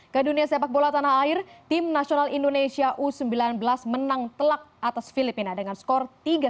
ke dunia sepak bola tanah air tim nasional indonesia u sembilan belas menang telak atas filipina dengan skor tiga satu